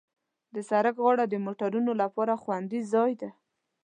د سړک غاړه د موټروانو لپاره خوندي ځای دی.